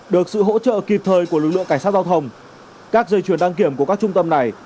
được sự hỗ trợ kịp thời của lực lượng cảnh sát giao thông các dây chuyển đăng kiểm của các trung tâm này